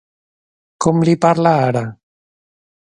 Com li parla ara?